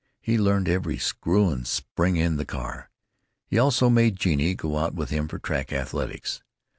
He learned every screw and spring in the car. He also made Genie go out with him for track athletics.